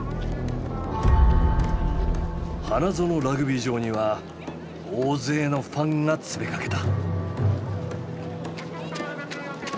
花園ラグビー場には大勢のファンが詰めかけた。